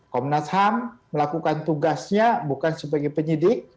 komnas ham melakukan tugasnya bukan sebagai penyidik